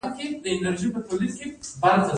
څاه ګانې څومره ژورې وي؟